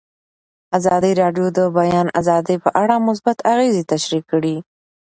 ازادي راډیو د د بیان آزادي په اړه مثبت اغېزې تشریح کړي.